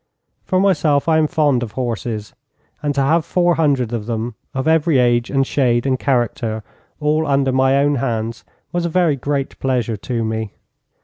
For myself I am fond of horses, and to have four hundred of them, of every age and shade and character, all under my own hands, was a very great pleasure to me.